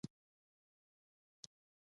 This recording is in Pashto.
راکټ د اور او زور ترکیب دی